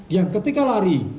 yang ketika lari